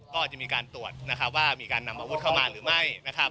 ก็จะมีการตรวจว่ามีการนำอาวุธเข้ามาหรือไม่